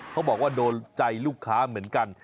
เขาบอกว่าโดนใจลูกค้าเหมือนกัน